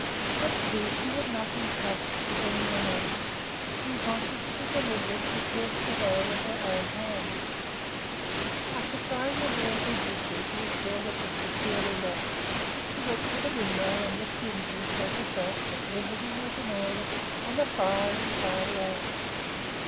That key she would not intrust to any one else; she wanted to deliver it to Kjersti Hoel with her own hand. After trying the door vigorously to be sure that it was securely locked, she went to the window and looked in to assure herself that everything was in order and the fire entirely out.